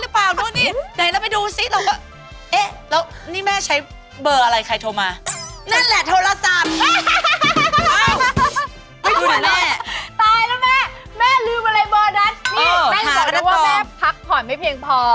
พักผ่อนไม่เพียงพอ